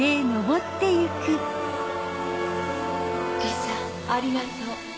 リサありがとう。